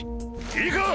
いいか。